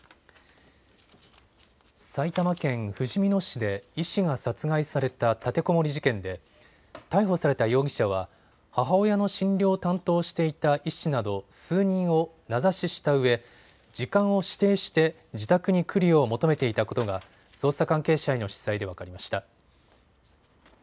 埼玉県ふじみ野市で医師が殺害された立てこもり事件で逮捕された容疑者は母親の診療を担当していた医師など数人を名指ししたうえ時間を指定して自宅に来るよう求めていたことが捜査関係者への取材で分かりました。